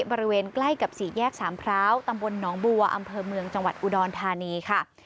บริเวณใกล้กับสี่แยกสามพร้าวตำบลหนองบัวอำเภอเมืองจังหวัดอุดรธานีค่ะ